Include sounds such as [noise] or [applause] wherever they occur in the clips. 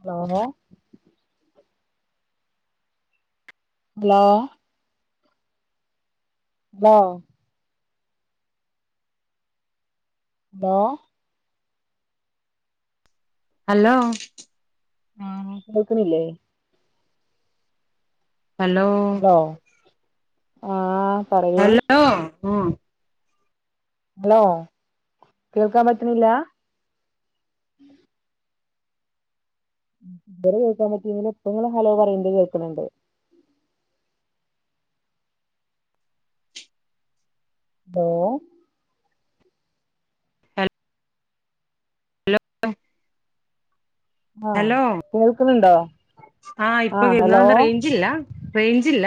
Hello hello hello hello hello ആ കേക്കുന്നില്ലേ hello ആ ഹലോ... ഹലോ കേൾക്കാൻ പറ്റണില്ല... ഇതുവരെ കേൾക്കാൻ പറ്റിയില്ലെങ്കിലും ഇപ്പൊ നിങ്ങൾ ഹലോ പറയണത് കേൾക്കണണ്ട്. ഓ ഹലോ ആ കേൾക്കുന്നുണ്ടോ ആ ഇപ്പൊ വരുന്നു റേഞ്ചില്ല റേഞ്ചില്ല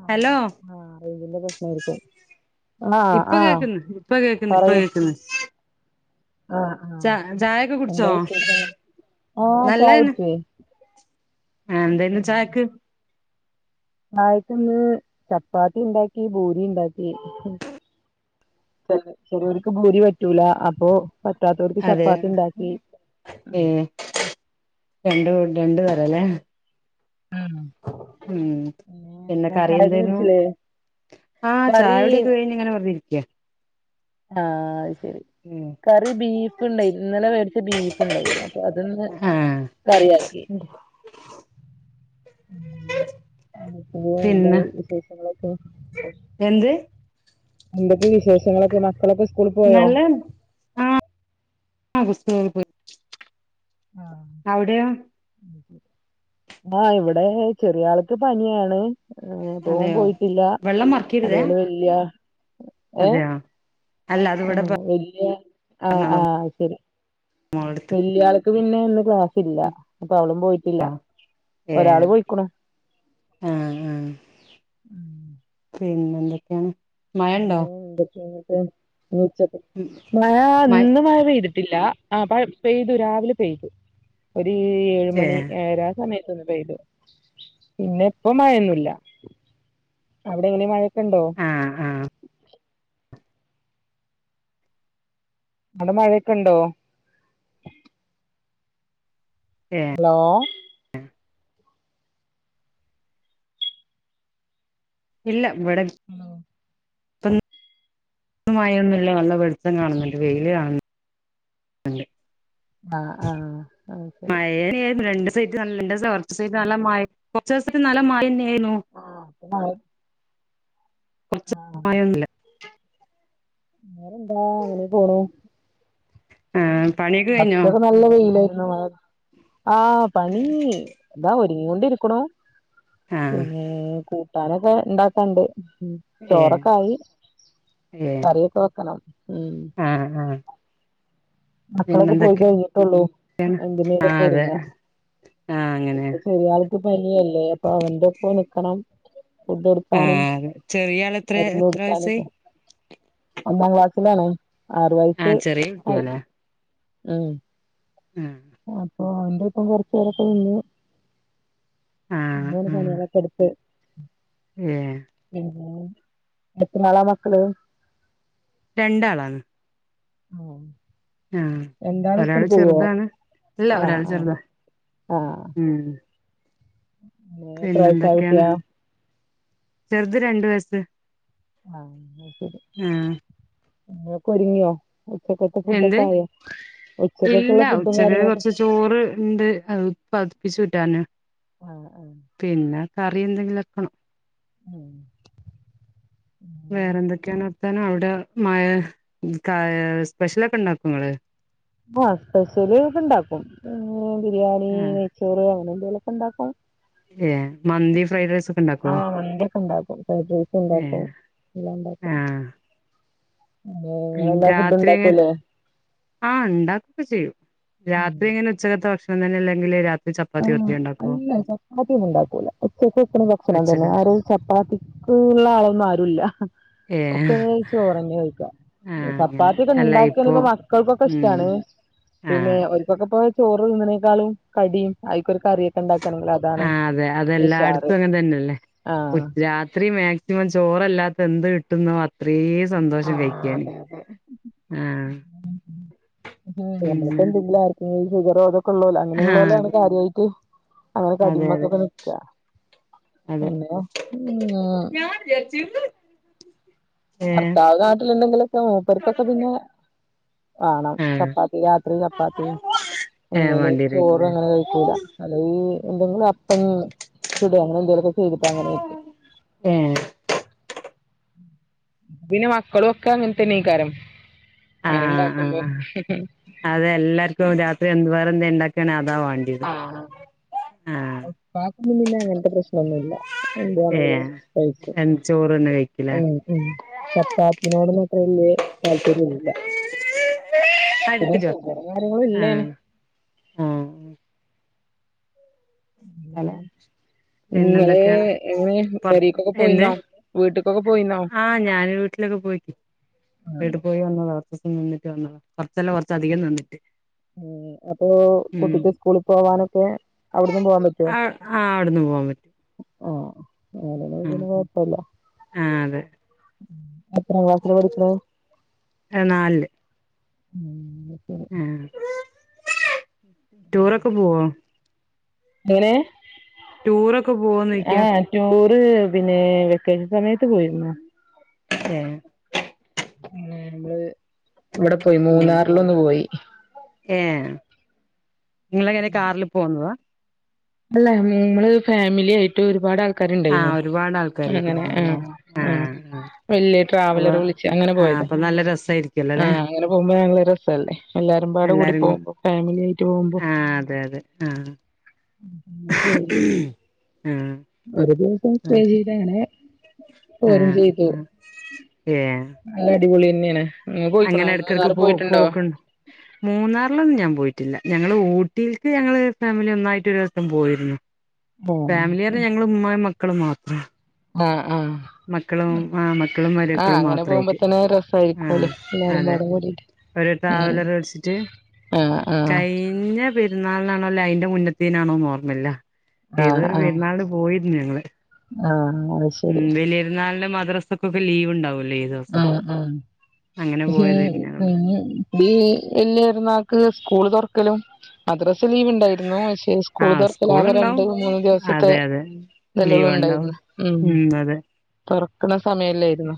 ആ ഹലോ ആ റേഞ്ച് ൻ്റെ പ്രശ്നായിരിക്കും. ആഹ് ഇപ്പൊ ആഹ് കേക്കുന്നു ഇപ്പൊ കേക്കുന്നു ഇപ്പൊ പറയൂ കേക്കുന്നു. ആഹ് ആഹ് ച ചായൊക്കെ കുടിച്ചോ? എന്താ വിശേഷങ്ങള് ആഹ് ചായ നല്ലതന്നെ കുടിച്ചേ ആ എന്തേനു ചായക്ക്. ചായക്കിന്ന് ചപ്പാത്തി ഉണ്ടാക്കി ഭൂരി ഉണ്ടാക്കി. ചെലോർക്ക് ഭൂരി പറ്റൂല അപ്പൊ.. പറ്റാത്തോർക്ക് അതെ ചപ്പാത്തി ഇണ്ടാക്കി ഏഹ് രണ്ട് രണ്ടു തരംല്ലേ ഉം പിന്നെ എന്താ ചായൊക്കെ കറിയന്തായിരുന്നു കുടിച്ചില്ലേ ആ കറി ചായകുടിയൊക്കെ കഴിഞ്ഞ് ഇങ്ങനെ വെറുതെ ഇരിക്കാ ആ അത് ശരി. കറി ബീഫ് ഉണ്ടായിന്നു. ഇന്നലെ വേടിച്ച ബീഫ് ഉണ്ടായിരുന്നു. അപ്പൊ അതൊന്ന് ആഹ് [inaudible] പിന്നെ എന്ത് [inaudible] എന്തൊക്കെ വിശേഷങ്ങളൊക്കെ. മക്കളൊക്കെ സ്കൂളിൽ പോയോ. നല്ല ആ സ്കൂളിൽ പോയി ആ അവിടെയോ ആ ഇവിടെ ചെറിയ ആൾക്ക് പനിയാണ് ഓൻ അതെയോ പോയിട്ടില്ല വെള്ളം മറിക്കരുതേ അതുപോലെ വല്യ.. ഏ അതെയോ അല്ല ആ അതിവിടെ വല്യ ആ പറഞ്ഞതാ മോളടുത്ത് വലിയ ആൾക്ക് പിന്നെ ഇന്ന് ക്ലാസ് ഇല്ല. അപ്പൊ അവളും പോയിട്ടില്ല. ഒരാള് പോയിക്കണു. ഉം പിന്നെ എന്തൊക്കെയാണ്. മഴ ഉണ്ടോ? പിന്നെ മഴ മ ഇന്ന് മഴ പെയ്തു. ഇല്ല ആ പെയ്തു രാവിലെ പെയ്തു. ഒരു ഏഴ് ഏ മണി ഏഴരാ സമയത്ത്. പെയ്തു. പിന്നെ ഇപ്പൊ മഴയൊന്നുമില്ല. അവിടെ എങ്ങനെ? മഴയൊക്കെ ഉണ്ടോ? ആ ആ അവിടെ മഴയൊക്കെ ഇണ്ടോ? ഏ ഹലോ ഇല്ല ഇവിടെയില്ല. ഹലോ ഇവിടെ മഴയൊന്നും ഇല്ല. നല്ല വെളിച്ചം കാണുന്നുണ്ട്. വെയില് കാണുന്നുണ്ട്. ആ ആ ആ [inaudible] മഴയായിരുന്നു [inaudible] കുറച്ച് ദിവസമായി നല്ല മഴ തന്നെയായിരുന്നു. ആ [inaudible] വേറെ എന്താ? അങ്ങനെ പോണു ആ പണിയൊക്കെ കഴിഞ്ഞോ? [inaudible] ആ പണി ദാ ഒരുങ്ങിക്കൊണ്ടിരിക്കുന്നു. ആ പിന്നേ കൂട്ടാനൊക്കെ ഇണ്ടാക്കാനുണ്ട്. ഏ ചോറൊക്കെ ആയി. ഏ കറിയൊക്കെ വെക്കണം ഉം മക്കളൊക്കെ പോയി പിന്നെന്തൊക്കെ കഴിഞ്ഞിട്ടുള്ളൂ ആ എന്തിനേലൊക്കെ അതെ. ഒരുങ്ങ ആ അങ്ങനെയ ബലിയല്ലേ അപ്പൊ അവന്റെ ഒപ്പോ നൽക്കണം ഫുഡ് എടുക്കാനും ആഹ് അതെ ചെറിയ ആള് എത്ര മരുന്ന് എത്ര വയസ്സായി കൊടുക്കാനുംക്കെ ഒന്നാം ക്ലാസ്സിലാണ് ആറു വയസ് ആഹ് ചെറിയ ആയി കുട്ടിയാല്ലേ ഉ ഉം ഓ അവന്റെ ഇപ്പം കൊറച്ച പേരൊക്കെ നിന്നു അങ്ങെ ആഹ് പണികളൊക്കെ എടുത്ത് ഏഹ് പിന്നെ എത്ര ആളാ മക്കള് രണ്ടാളാണ് ആഹ ആഹ ഒരാൾ ചെറുതാണ് ഇല്ല ആഹ് ഒരാൾ ആഹ് ചെറുതാ ആഹ് ഉം എത്ര വയസായ പിന്നെന്തൊക്കെയാണ് കുട്ടിയാ ചെറുത് രണ്ടു വയസ് ആഹ എന്ന ശരി അ ഒരുങ്ങിയോ ഉച്ചക്കൽത്ത എന്ത് ഫുഡൊക്കെ ആയോ ഉച്ചക്കൊക്കെയുള്ള ഇല്ല ഫുഡും ഉച്ചക്ക് കാര്യങ്ങളൊക്കെ കൊറച്ച്ചോറ് ഉണ്ട് അത് പതിപ്പിച്ചു ഉറ്റാന് ആഹ ആഹ കറി എന്തെങ്കിലും വെക്കണോ ഉ വേറെ എന്തൊക്കെയ വർത്താനം അവിടെ മഴയ സ്പെഷ്യലൊക്കെ ഉണ്ടാക്കും നിങ്ങള് ആ സ്പെഷ്യലിക്കെ ഇണ്ടാക്കും ബിരിയാണി ആഹ് നെയ്ച്ചോറ് അങ്ങനെ എന്തെങ്കിലുംക്കെ ഇണ്ടാക്കും ഏഹ് മന്തി ഫ്രൈഡ് റൈസ് ഒക്കെ ഇണ്ടാക്കോ ആഹ മന്തിയൊക്കെ ഉണ്ടാക്കുംഫൈഡ്രസ് ഉണ്ടാക്കും ഏഹ് എല്ലാണ്ടാക്ക ആഹ് രാത്രി അങ്ങെ ആ ഉണ്ടാക്കെ ചെയ്യും രാത്രി ഇങ്ങനെ ഉച്ചകത്തെ ഭക്ഷണം തന്നെ അല്ലെങ്കിൽ രാത്രി ചപ്പാത്തി ഒത്തി ആഹ് ഉണ്ട അല്ല ചപ്പാത്തിയ ഒന്നും ഉണ്ടാക്കൂല ഒച്ചക്കക്ക ഭക്ഷണം തന്നെ ഉച്ചക്ക് ആ ഒരു ചപ്പാത്തിക്ക് ഉള്ള ആളന്ന ഏ ആരൂലഒക്കെ ചോറന്നെ കഴിക്കാ ആ അങ്ങനെ ചപ്പാത്തിയൊക്കെ അല്ല ഇണ്ടാക്കിയാൽ ഇപ്പൊ മക്കൾക്കൊക്കെ ഉം ഇഷ്ടാണ് ആ പിന്നെ അവർക്കൊക്കെ പോ ചോറ് നിന്നതിനേക്കളും കടിയും ആയി ഒരു കറിയൊക്കെ ഇണ്ടാക്കണെങ്കിൽ അതാണ് ആ അതെ ഉഷാറ് അതെല്ലായിടത്തും അങ്ങനെ തന്നെയല്ലേ ആഹ് രാത്രി മാക്സിമം ചോറല്ലാത്ത എന്ത് കിട്ടുന്നു അത്രയും സന്തോഷം ആഹ് കഴിക്കാണ് അതെ ആഹ നമ്മക്ക എന്തല്ല ആർക്കും ഷുഗറോ അതൊക്കെ ഉള്ളോല് ആ അങ്ങനെയുള്ളോല് കാര്യമായിട്ട് അങ്ങനെ അതെ കടിമ അതെ ഒക്കെൊക്കെ നക്കാ അതെ പിന്നോ ഉ ഏ ഭർത്താവ് നാട്ടിലുണ്ടെങ്കിലൊക്കെ മൂപ്പർക്കൊക്കെ പിന്നെ വേണം ആ ചപ്പാത്തി രാത്രി ചപ്പാത്തി ഏ പിന്നലെ ചോറും വണ്ടിയിലേക്കല്ലേ അങ്ങനെ കഴിക്കൂല അല്ലഈ എന്തെങ്കിലും ഇം ചുട അങ്ങനെ എന്തേലുമൊക്കെ ചെയ്തിട്ട അങ്ങനെയ ഏ പിന്നെ മക്കളും ഒക്കെ അങ്ങനത്തെ നീകാരം ആഹ ആഹ അതെ എല്ലാർക്കും രാത്രി എന്തുവാ എന്താ ഉണ്ടാക്കാണേൽഅതാ വേണ്ടിയത് ഉപ്പാക്കൊന്നും പിന്നെ അങ്ങനത്തെ പ്രശ്നംഒന്നുമില്ല എന്ത് വേണെങ്കിലും ഏഹ് കയിക്കും എന്ത് ചോറ്ന്നെ കഴിക്കില്ലേ ഉം ഉ ചപ്പാപ്പിനോടന്നും അത്ര വല്ിയ താല്പര്യംഒന്നില്ല പി ഷുഗർ കാര ഇല്ലേന ആഹ് ആഹ് തല ഇങ്ങള് പിന്നെന്തൊക്കെയാണ് എങ്ങനെ പെരീക്കൊക്കെ എന്ത് പോയിന്നോ വീട്ട്ക്കൊക്കെ പോയിന്നോ ആഹ ഞാന് വീട്ടിൽ പോയി വീട്ട പോയി വന്ന കുറച്ചം നിന്നിട്ട് വന്നോ കുറച്ചല്ലാം കുറച്ച അധികം നിന്നിട്ട് ഉ അപ്പൊ കുട്ടിക്ക് സ്കൂളിൽ പോവാനൊക്കെ അവിടുന്ന് പോവാൻ ആ ആ അവിടുന്ന് പോവാാൻ പറ്റും ആഹ അങ്ങന ഇതി ഉം കൊഴപ്പില്ല ആഹ് അതെ എത്ര ക്ലാസ്സ പഠിക്കണ ഉം ടൂറൊക്കെ പോവ എങ്ങനെ ടൂറൊക്കെ പോവന്ന്ക്കാ അ പിന്നെ വെക്കേഷൻ സമയത്ത് പോയിുന്ന ഹ നമ്മള് ഇവിടെ പോയി മൂന്നാറിലൊന്ന്ു പോയി ഏ നിങ്ങള എങ്ങനെ കാറിൽ പോന്നതാ അല്ല നമ്മള് ഫാമിലി ആയിട്ട് ഒരുപാട് ആ ആക്കാരുണ്ടായിുന്നോ ആഹ് ഒരുപാട് ആൾക്കാരായിട്ട് അങ്ങനെ ആ പോന്നതാല്ലേ ആ ആഹ് വലിയ അപ്പൊ ട്രാവലർ വിളിച്ച് അങ്ങനെ ആ പോയത അപ്പൊ നല്ല രസായിരിക്കല്ലോ അല്ലെ ആഹ അങ്ങനെ പോകുമ്പോ ഞങ്ങള് രസല്ലേ എല്ലരും നമ്പാട് കൂടി എല്ലാരും കൂ പോകുമ്പോ ഫാമിലി ആയിട്ട് പോകുമ്പോ ആ അതെ അതെ ആ അങ്ങനെ പോ ആ ഒരു ദിവസംറ്റേ ചെയ അങ്ങനെ പോരും ചെയ്തു ആ ഏ നല്ല അടിപൊളി തന്നെയാണ് നിങ്ങള് പോയിക്കണോ അങ്ങനെ ഇടക്കിടക്ക് മൂന്നാറ് പോ പോയിട്ടുണ്ടോ പോക്ക മൂന്നാറിലൊന്നും ഞാൻ പോയിട്ടു പറ്റില്ല ഞങ്ങള് ഊട്ടിക്ക് ഞങ്ങള് ഫാമിലി ഒന്നായിട്ട് ഒരു ദിവസം പോയിരുന്നു ഫാമിലി പറഞ്ഞ ഞങ്ങള് ഉമ്മായും മക്കളും മാത്രം ആഏ മക്കളും ആ മക്കളും മരുക്കളും പോകുമ്പോ മാത്രമായിട്ട് തന്നെ ആ രസായിരിക്കുമല്ലോ എല്ലാരും അതെ പാടെ കൂടിട്ട് ഒരു ഉം ട്രാവലർ കളിച്ചിട്ട് ആഹ് ആഹ് കഴിഞ്ഞ പെ പെരുന്നാളിനാണോ അല്ലേ അതിന്റെ മുന്നത്തിനാണോ ോർമ്മല്ല ഏതൊരു പെരുന്നാള് പോയിരുന്നു ഞങ്ങള് ആഹ ഉ വലിയയിരുന്നാളിന്റെ മദ്രസക്കൊക്കെ ലീവ് ഉണ്ടാവൂലോ ആ ആ പക്ഷെ പോയതായിരുന്നു ഞങ്ങള് [unintelligible] വലിയൊ നാൾ സ്കൂൾ തുറക്കലും മധർസ് ലീവ് ഉണ്ടായിരുന്നു പക്ഷേ സ്കൂൾ ആഹ് തർക്കലാകെ രണ്ട് ഉണ്ടാവും മൂന്ന് ദിവസത്തെ അതെ അതെ നിലകള ലീവ് ഉണ്ടാവും ഉണ്ടായിരുന്നു ഉം അതെ തോർ ക്ക് ണ സമയല്ലായിരുന്നു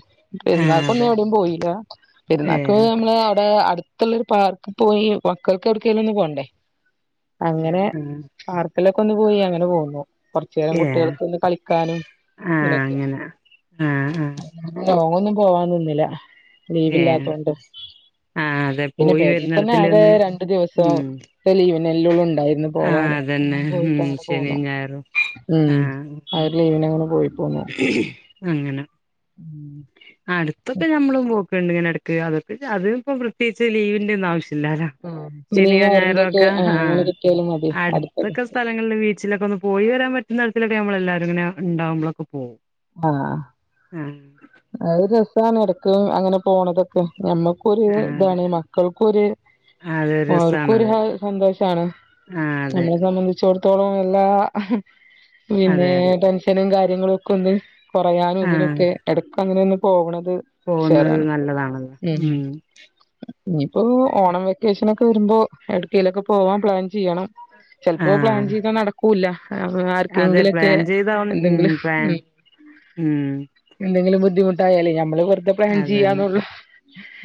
ആഹ് പെരുന്നാാക്കൊന്നും അതെ എവിടെയും പോയില്ല പെരുന്നാാക് ഏഹ് നമ്മള് അവിടെ അടുത്തുള്ളരു പാർക്കിൽ പോയി മക്കൾക്ക് എവിടക്കേലും ഒന്നു പോണ്ടേ അങ്ങനെ ആഹ് പാർക്കിലോക്കെ ഒന്ന് പോയി അങ്ങനെ പോന്നു കുറച്ചു നേേരം ഏഹ് കുട്ടികൾക്ക് ഒന്ന് കളിക്കാനും ആഹ് ഇങ്ങനൊക്കെ അങ്ങനെ ആഹ് ആഹ് ലോങ്ങൊന്നും പോവാൻ നിന്നില്ല ലീവ് ഏഹ് ഇല്ലാത്തോണ്ട് ആഹ് അതെ പിന്നെ പോയി പെരീൽ തന്നെ വരുന്നിടത്തില് ആകെ ഒന്ന് രണ്ടു ദിവസം ഉം ത്തെ ലീവിന്നെ അല്ലെ ഉള്ളൂ ണ്ടായിരുന്നു ആഹ് പോവാൻ ഞ അതന്നെ ഉം പോയിട്ട്ടെ പോന്ന് ശനിയും ഞായറും ഉം അവൻ ലീവ് ഉം അങ്ങനെ ആ അടുത്തൊക്കെ നമ്മളും പോക്കുണ്ട് ഇങ്ങെനെടക്ക് അതൊക്കെ അത് ഇപ്പൊ പ്രത്യേകച്ച് ലീവിന്റെ ഒന്നും ആവശ്യം.. ല്ലല്ലോ ശനി ശനിയോ ഞായറിന്റെ ഞായറോ ഒക്കെ ആഹ അങ്ങനെ കിട്ടിയാലും മതി അടുത്തത് അടുത്തൊക്കെ സ്ഥലങ്ങളിൽ ബീച്ചിലൊക്കെ ഒന്ന് പോയി വരാൻ പറ്റ്... ഇടതൊക്കെ നമ്മൾ എല്ലാരും ഇങ്ങനെണ്ടകുമ്പോഴേക്കെ പോകും ആഹ അത് രസാണ് ഇടക്ക് അങ്ങനെ പോണതൊക്കെ. ഞമ്മക്കൊരു ആഹ് അതെ ഇതാണ് മക്കൾക്കൊരു അതൊരു അവർക്കും ഒരു രസാണത് ഹാ സന്തോഷമാണ് ആഹ് അതെ നമ്മളെ സംബന്ധിച്ചിടത്തോളം. ന അതെ പിന്നെ അതെ ടെൻഷനും കാര്യങ്ങളും ഒക്കെ ഒന്ന് കുറയാനും ആഹ് ഇതിനൊക്കെ എടക്ക് അങ്ങനെ ഒന്ന് പോകണ പോകുന്നത് ഉഷാറാണ് നല്ലതാണല്ലോ ഉം ഇനിപ്പോ ഓണം വെക്കേഷന ഒക്കെ വരുമ്പോ എടുക്കയിലൊക്കെ പോവാൻ പ്ലാൻ ചെയ്യണം ചിലപ്പോ പ്ലാൻ ആഹ് ചെയ്താ നടക്കൂല്ല അതെ ആർക്കെങ്കിലുക്കെ പ്ലാൻ ചെയ്താ ഉം എന്തെങ്കിലും ഉം ഉം എന്തെങ്കിലും ബുദ്ധിമുട്ടായാലേ ഞമ്മള് വെറതെ പ്ലാൻ അതാണ് ചെയ്യാന്നുള്ളൂ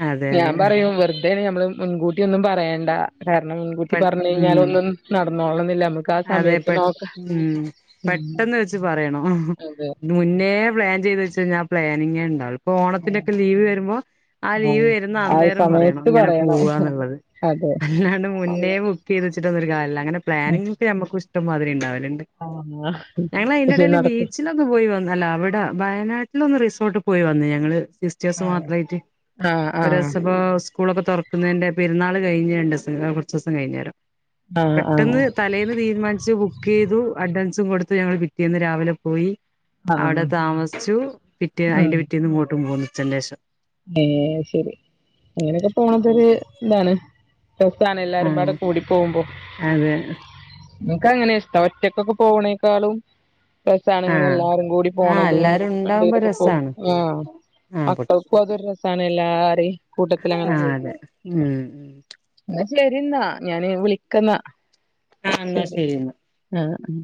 അതെ ഞാൻ അതെ പറയും വെറുതെ മ്മള് മുൻകൂട്ടി ഒന്നും പറയേണ്ട കാരണം മുൻകൂട്ടി പെ ഉം പറഞ്ഞയിഞ്ഞാലൊന്നും നടന്നോളന്നില്ല. മ് അതെ പെ ഉം ഉം പെട്ടെന്ന് വെച്ച് പറയണോ അതെ മുന്നേ പ്ലാൻ ചെയ്ത് വെച്ചെയ് ഞ്ഞാൽ ആ പ്ലാനിങ്ങേ ഉണ്ടാവൊൾ പ്പൊ ഓണത്തിന്റെക്കെ ലീവ് വരുമ്പോ ആ ലീവ് ആഹ് വരുന്ന ആ അന്നേരം പറയണം സമയത്ത് ഇങ്ങനെ പറയണം പോവാന്നുള്ളത്. അതെ അല്ലാണ്ട് മുന്നേ ആഹ് ബുക്ക് ചെയ്ത് വെച്ചിട്ടൊള്ളരു കാല്ല അങ്ങനെ പ്ലാനിങ് ഞമ്മക്കു ഇഷ്ടമാതിരി ഉണ്ടാവലണ്ട്. ഞങ്ങള് പക്ഷെ അതിനിടയില് നടക്കും ബീച്ചിലൊന്ന് പോയി വന്ന് അല്ല അവിടെ വയനാട്ടിലൊന്ന് റിസോർട്ട് പോയി വന്ന് ഞങ്ങള് സിസ്റ്റേഴ്സ് ആഹ് മാത്രമായിട്ട് ആഹ് ആഹ് ഒരോസൊപ്പൊ... സ് സ്കൂളൊക്കെ തുറക്കുന്നേന്റെ പെരുന്നാള് കഴിഞ്ഞ് രണ്ട്സം ആ കുറച്ചൂസം കഴിഞ്ഞേരം ആഹ ആഹ തീരുമാനിച്ചു. ബുക്ക് ചെയ്തു അഡ്വാൻസും കൊടുത്ത് ഞങ്ങൾ പിറ്റേന്നു രാവിലെ പോയി. അവ്ടെ ആഹ് താമസിച്ചു. പിറ്റേ അയിന്റെ പിറ്റേന്ന് ഇങ്ങട്ടും പോന്ന് ഉച്ചൻ്റേശം. ഏ ശരി. അങ്ങനെയൊക്കെ പോണതൊരു താണ്. രസാണ് എല്ലാരുംപാടെ ആഹ് കൂടി പോകുമ്പോ അതെ അ മ്മക്ക് അങ്ങനെ ഇഷ്ടം. ഒറ്റക്കൊക്കെ പോകണേക്കാളും. രസ്സാണ് ഇങ്ങനെ ആഹ് എല്ലാരും കൂടി ആഹ് പോണതൂം എല്ലാരും ഉണ്ടാവുമ്പോ വണ്ടിയിലൊക്കെ പോൺ രസാണ് ആ ആഹ് മക്കൾക്കൊതൊരു രസാണ് എല്ലാരേം ആ അതെ മ് മ് എന്നാ ശരി ന്നാ ഞാന് വിളിക്ക ന്ന ആഹ ന്നാ ശരി ന്നാ ഉം